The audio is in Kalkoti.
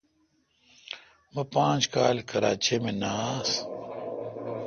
مہ پانچ کال کراچے°مے° نہ آس۔